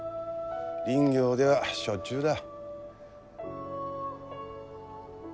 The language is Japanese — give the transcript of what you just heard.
林業ではしょっちゅうだ。